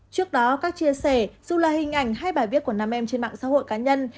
trước đó các chia sẻ dù là hình ảnh hay bài viết của nam em trên mạng xã hội cá nhân